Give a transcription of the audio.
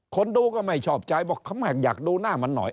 คนดูก็ไม่ชอบใจบอกอยากดูหน้ามันหน่อย